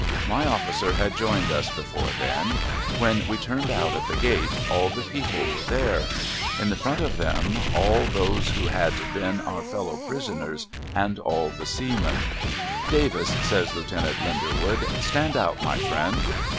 My olTicer had joined us before then. When we turned out at the gate, all the i)eoplc were there ; in the front of them all those who had been our fellow prisoners, and all the seamen, ' Davis,' says Lieutenant Linderwood. * Stand out, my friend